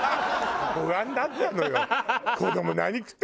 不安だったのよ。